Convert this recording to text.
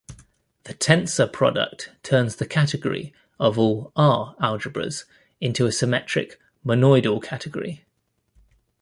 The tensor product turns the category of all "R"-algebras into a symmetric monoidal category.